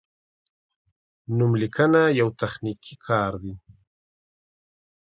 نوملیکنه یو تخنیکي کار دی.